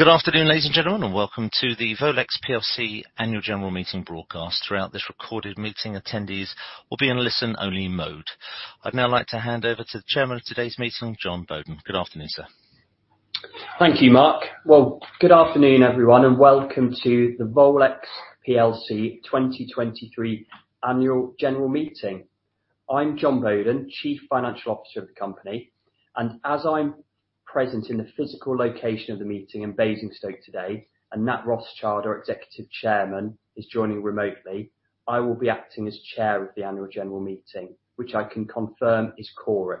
Good afternoon, ladies and gentlemen, welcome to the Volex plc Annual General Meeting broadcast. Throughout this recorded meeting, attendees will be in listen-only mode. I'd now like to hand over to the Chairman of today's meeting, Jon Boaden. Good afternoon, sir. Thank you, Mark. Well, good afternoon, everyone, welcome to the Volex PLC 2023 Annual General Meeting. I'm Jon Boaden, Chief Financial Officer of the company, and as I'm present in the physical location of the meeting in Basingstoke today, and Nat Rothschild, our Executive Chairman, is joining remotely, I will be acting as chair of the annual general meeting, which I can confirm is quorum.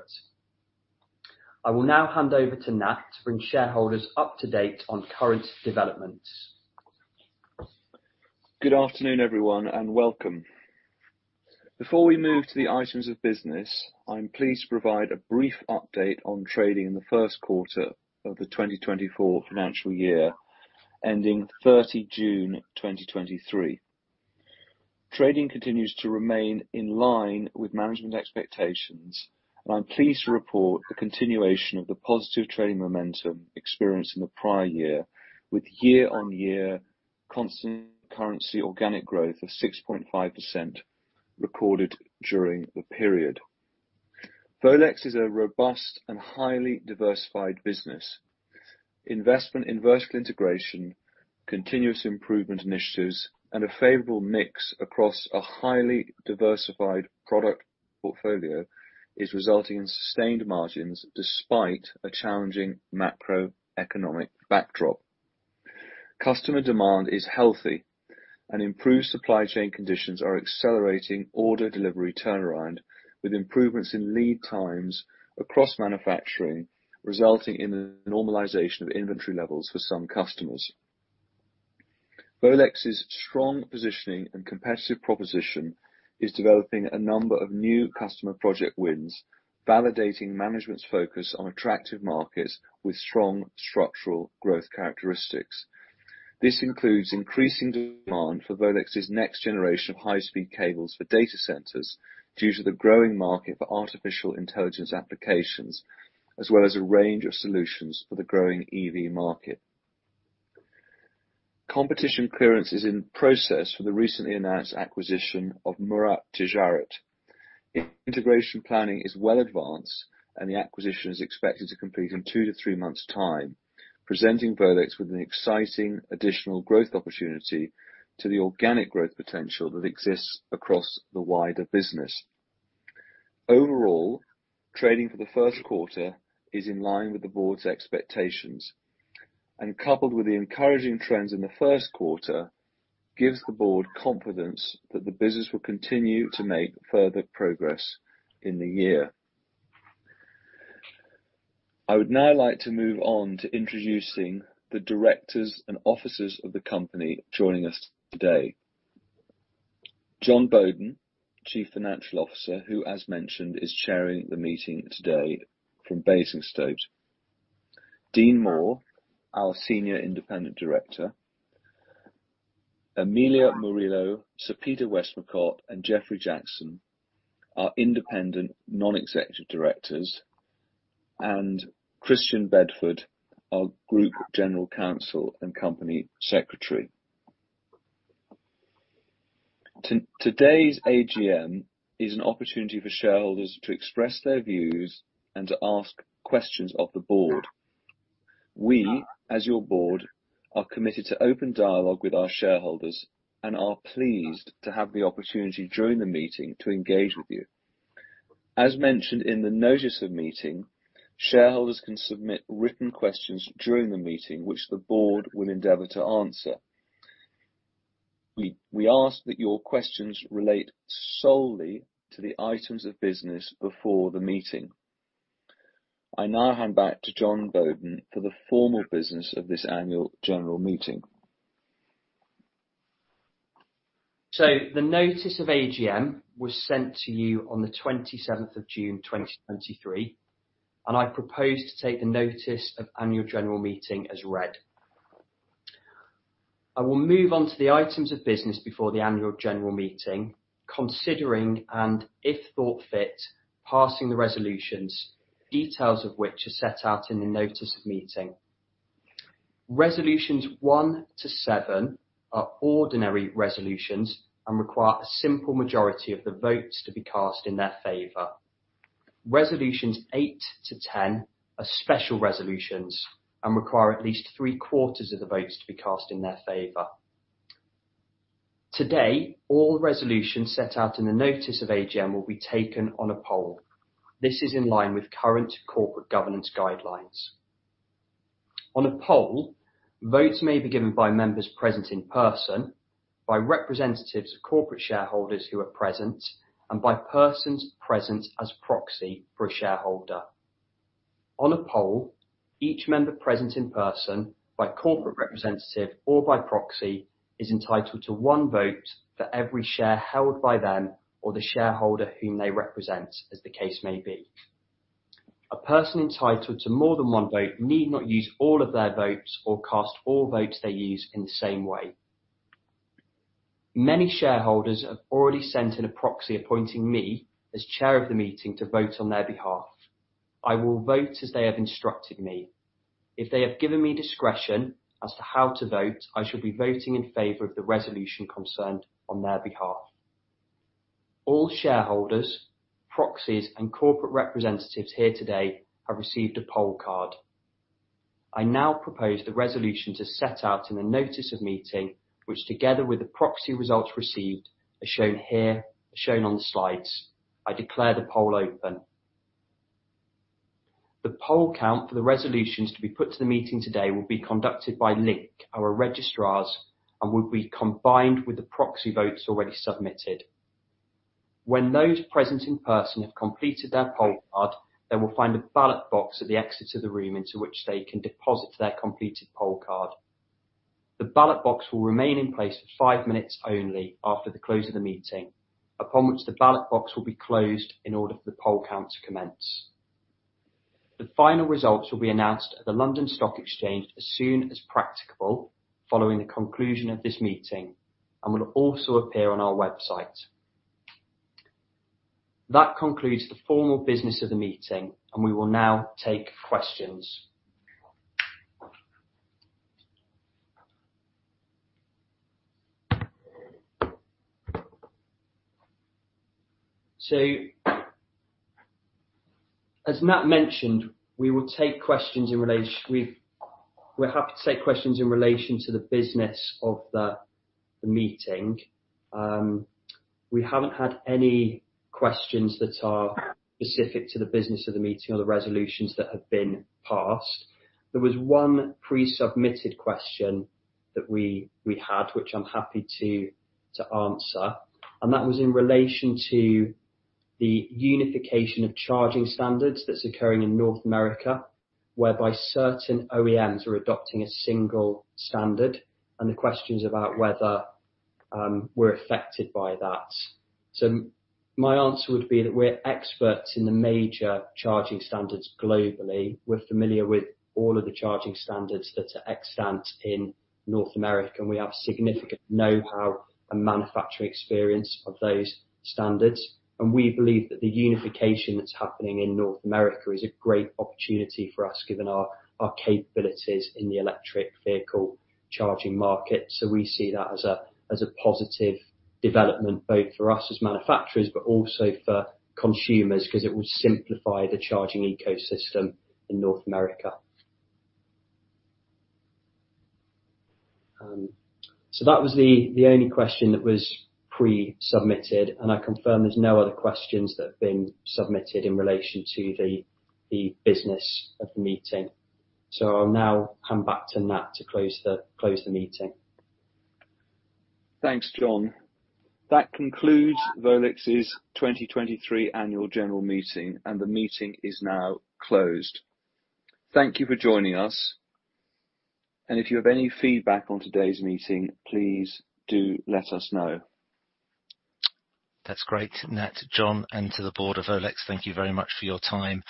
I will now hand over to Nat to bring shareholders up to date on current developments. Good afternoon, everyone, and welcome. Before we move to the items of business, I'm pleased to provide a brief update on trading in the first quarter of the 2024 financial year, ending 30 June, 2023. Trading continues to remain in line with management expectations, and I'm pleased to report the continuation of the positive trading momentum experienced in the prior year, with year-on-year constant currency organic growth of 6.5% recorded during the period. Volex is a robust and highly diversified business. Investment in vertical integration, continuous improvement initiatives, and a favorable mix across a highly diversified product portfolio is resulting in sustained margins, despite a challenging macroeconomic backdrop. Customer demand is healthy, and improved supply chain conditions are accelerating order delivery turnaround, with improvements in lead times across manufacturing, resulting in a normalization of inventory levels for some customers. Volex's strong positioning and competitive proposition is developing a number of new customer project wins, validating management's focus on attractive markets with strong structural growth characteristics. This includes increasing demand for Volex's next generation of high-speed cables for data centers due to the growing market for artificial intelligence applications, as well as a range of solutions for the growing EV market. Competition clearance is in process for the recently announced acquisition of Murat Ticaret. Integration planning is well advanced, and the acquisition is expected to complete in 2-3 months time, presenting Volex with an exciting additional growth opportunity to the organic growth potential that exists across the wider business. Overall, trading for the first quarter is in line with the board's expectations, and coupled with the encouraging trends in the first quarter, gives the board confidence that the business will continue to make further progress in the year. I would now like to move on to introducing the directors and officers of the company joining us today. Jon Boaden, Chief Financial Officer, who, as mentioned, is chairing the meeting today from Basingstoke. Dean Moore, our Senior Independent Director. Amelia Murillo, Sir Peter Westmacott, and Jeffrey Jackson, our Independent Non-Executive Directors, and Chris Bedford, our Group General Counsel and Company Secretary. Today's AGM is an opportunity for shareholders to express their views and to ask questions of the board. We, as your board, are committed to open dialogue with our shareholders and are pleased to have the opportunity during the meeting to engage with you. As mentioned in the notice of meeting, shareholders can submit written questions during the meeting, which the board will endeavor to answer. We ask that your questions relate solely to the items of business before the meeting. I now hand back to Jon Boaden for the formal business of this annual general meeting. The notice of AGM was sent to you on the 27th of June, 2023, and I propose to take the notice of annual general meeting as read. I will move on to the items of business before the annual general meeting, considering, and if thought fit, passing the resolutions, details of which are set out in the notice of meeting. Resolutions 1 to 7 are ordinary resolutions and require a simple majority of the votes to be cast in their favor. Resolutions 8 to 10 are special resolutions and require at least three-quarters of the votes to be cast in their favor. Today, all resolutions set out in the notice of AGM will be taken on a poll. This is in line with current corporate governance guidelines. On a poll, votes may be given by members present in person, by representatives of corporate shareholders who are present, and by persons present as proxy for a shareholder. On a poll, each member present in person, by corporate representative, or by proxy, is entitled to one vote for every share held by them or the shareholder whom they represent, as the case may be. A person entitled to more than one vote need not use all of their votes or cast all votes they use in the same way. Many shareholders have already sent in a proxy appointing me as chair of the meeting to vote on their behalf. I will vote as they have instructed me. If they have given me discretion as to how to vote, I shall be voting in favor of the resolution concerned on their behalf. All shareholders, proxies, and corporate representatives here today have received a poll card. I now propose the resolution to set out in the notice of meeting, which together with the proxy results received, are shown here, are shown on the slides. I declare the poll open. The poll count for the resolutions to be put to the meeting today will be conducted by Link, our registrars, and will be combined with the proxy votes already submitted. When those present in person have completed their poll card, they will find a ballot box at the exit to the room into which they can deposit their completed poll card. The ballot box will remain in place for five minutes only after the close of the meeting, upon which the ballot box will be closed in order for the poll count to commence. The final results will be announced at the London Stock Exchange as soon as practicable, following the conclusion of this meeting, and will also appear on our website. That concludes the formal business of the meeting, and we will now take questions. As Nat mentioned, we're happy to take questions in relation to the business of the meeting. We haven't had any questions that are specific to the business of the meeting or the resolutions that have been passed. There was one pre-submitted question that we had, which I'm happy to answer, and that was in relation to the unification of charging standards that's occurring in North America, whereby certain OEMs are adopting a single standard, and the question is about whether we're affected by that. My answer would be that we're experts in the major charging standards globally. We're familiar with all of the charging standards that are extant in North America, and we have significant know-how and manufacturing experience of those standards. We believe that the unification that's happening in North America is a great opportunity for us, given our capabilities in the electric vehicle charging market. We see that as a positive development, both for us as manufacturers, but also for consumers, 'cause it will simplify the charging ecosystem in North America. That was the only question that was pre-submitted, and I confirm there's no other questions that have been submitted in relation to the business of the meeting. I'll now hand back to Nat to close the meeting. Thanks, Jon. That concludes Volex's 2023 annual general meeting. The meeting is now closed. Thank you for joining us, and if you have any feedback on today's meeting, please do let us know. That's great, Nat, Jon, and to the board of Volex, thank you very much for your time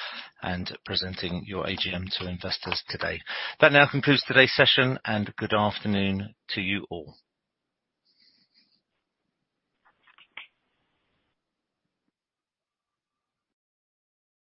and presenting your AGM to investors today. That now concludes today's session, and good afternoon to you all.